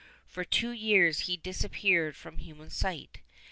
For two years he disappeared from human sight.